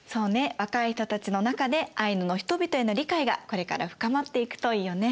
若い人たちの中でアイヌの人々への理解がこれから深まっていくといいよね。